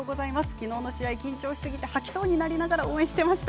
きのうの試合、緊張しすぎて吐きそうになりながら応援していました。